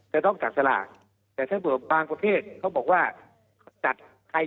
จะต้องจัดสลากแต่ถ้าบอกว่าบางประเภทเขาบอกว่าจัดใคร